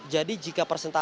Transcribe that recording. jadi jika persentase